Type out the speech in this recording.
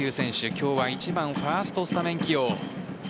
今日は１番・ファーストスタメン起用。